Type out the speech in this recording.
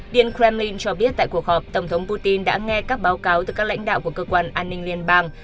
điện kremlin cho biết tại cuộc họp tổng thống putin đã nghe các báo cáo từ các lãnh đạo của cơ quan an ninh liên bang